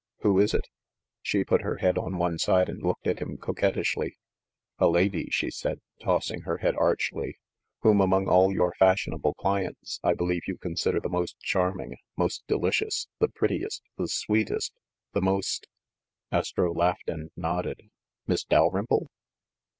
"Who is it?" She put her head on one side and looked at him coquettishly. "A lady," she said, tossing her head archly, "whom, among all your fashionable clients, I believe you consider the most charming, most de licious, the prettiest, the sweetest, the most —" Astro laughed and nodded. "Miss Dalrymple?"